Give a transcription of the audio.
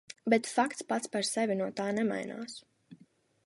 Bet fakts pats par sevi no tā nemainās.